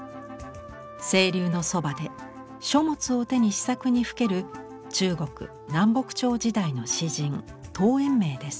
清流のそばで書物を手に思索にふける中国・南北朝時代の詩人陶淵明です。